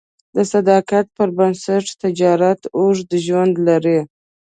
د صداقت پر بنسټ تجارت اوږد ژوند لري.